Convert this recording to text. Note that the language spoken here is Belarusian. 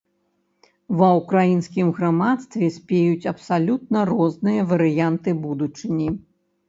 Ва ўкраінскім грамадстве спеюць абсалютна розныя варыянты будучыні.